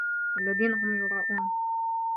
الَّذينَ هُم يُراءونَ